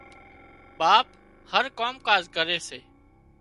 ٻاپ هر ڪام ڪاز ڪري سي